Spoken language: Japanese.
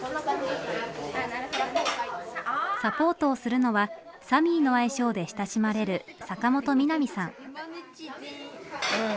サポートをするのは「サミー」の愛称で親しまれる坂元陽美さん。